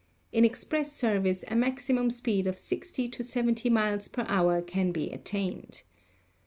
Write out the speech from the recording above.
In ex press service a maximum speed of 60 to 75 miles per hour can be attained.